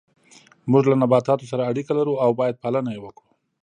موږ له نباتاتو سره اړیکه لرو او باید پالنه یې وکړو